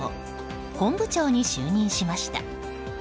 本部長に就任しました。